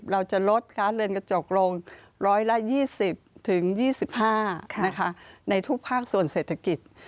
เราจะลดค้าเรือนกระจกลง๑๒๐๒๕ในทุกภาคส่วนเศรษฐกิจ